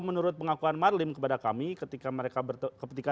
menurut pengakuan marlim kepada kami ketika